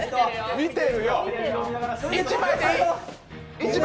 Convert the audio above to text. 見てるよ！